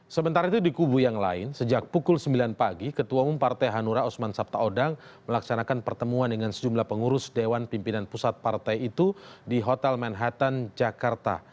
sementara itu di kubu yang lain sejak pukul sembilan pagi ketua umum partai hanura osman sabtaodang melaksanakan pertemuan dengan sejumlah pengurus dewan pimpinan pusat partai itu di hotel manhattan jakarta